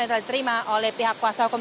yang telah diterima oleh pihak kuasa hukum